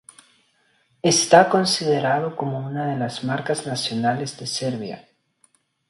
Está considerado como una de las marcas nacionales de Serbia.